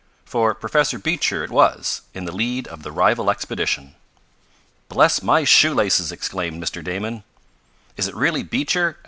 For Professor Beecher it was, in the lead of the rival expedition. "Bless my shoe laces!" exclaimed Mr. Damon. "Is it really Beecher?"